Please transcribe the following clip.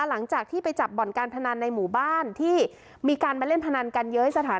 หลังจากที่ไปจับบ่อนการพนันในหมู่บ้านที่มีการมาเล่นพนันกันเย้ยสถาน